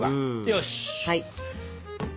よし！